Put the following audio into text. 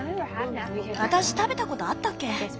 私食べたことあったっけ？